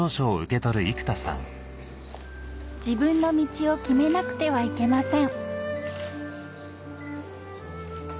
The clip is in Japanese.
自分の道を決めなくてはいけません